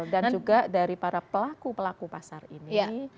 dan juga dari para pelaku pelaku pasar ini